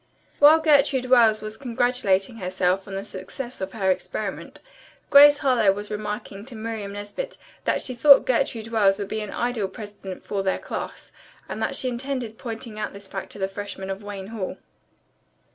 While Gertrude Wells was congratulating herself on the success of her experiment, Grace Harlowe was remarking to Miriam Nesbit that she thought Gertrude Wells would be an ideal president from 19 and that she intended pointing out this fact to the freshmen of Wayne Hall.